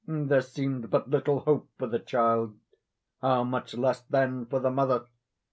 There seemed but little hope for the child; (how much less than for the mother!)